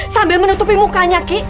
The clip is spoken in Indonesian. sambil menutupi mukanya ki